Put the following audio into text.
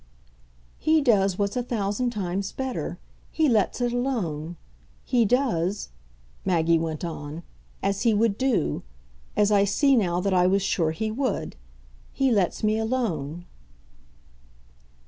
"He does what's a thousand times better he lets it alone. He does," Maggie went on, "as he would do; as I see now that I was sure he would. He lets me alone."